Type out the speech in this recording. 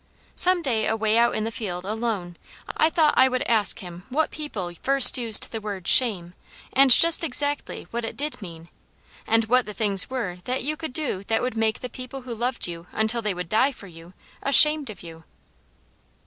Some day away out in the field, alone, I thought I would ask him what people first used the word "shame," and just exactly what it did mean, and what the things were that you could do that would make the people who loved you until they would die for you, ashamed of you.